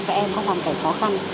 các em hoàn cảnh khó khăn